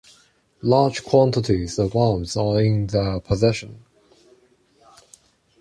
Large quantities of arms are in their possession.